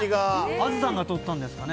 あづさんが撮ったんですかね？